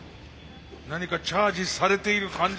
何かチャージされている感じが。